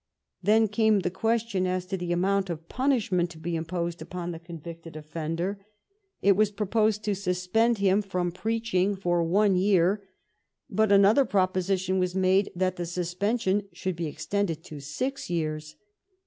Then came the question as to the amount of pun ishment to be imposed upon the convicted offender. It was proposed to suspend him from preaching for 803 THE REION OF QUEEN ANNE one year, but another proposition was made. that the suspension should be extended to six years.